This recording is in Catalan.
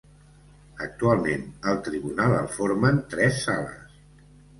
Actualment, el tribunal el formen tres sales: